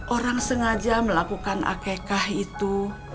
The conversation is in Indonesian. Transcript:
orang sengaja melakukan akekah itu